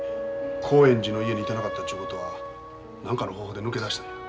興園寺の家にいてなかったちゅうことは何かの方法で抜け出したんや。